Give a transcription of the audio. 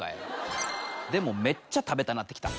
でもめっちゃ食べたなって来た。